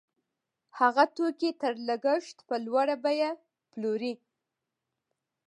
هغه توکي تر لګښت په لوړه بیه پلوري